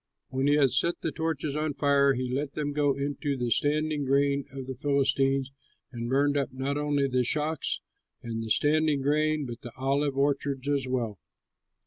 When he had set the torches on fire, he let them go into the standing grain of the Philistines and burned up not only the shocks and the standing grain, but the olive orchards as well.